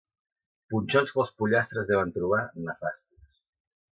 Punxons que els pollastres deuen trobar nefastos.